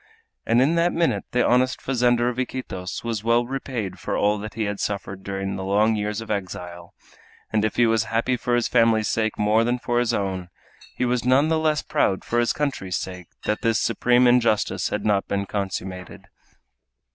And in that minute the honest fazender of Iquitos was well repaid for all that he had suffered during the long years of exile, and if he was happy for his family's sake more than for his own, he was none the less proud for his country's sake that this supreme injustice had not been consummated!